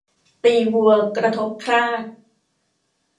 ตีวัวกระทบคราด